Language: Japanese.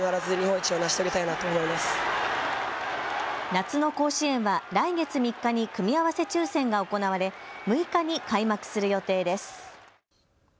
夏の甲子園は来月３日に組み合わせ抽せんが行われ６日に開幕する予定です。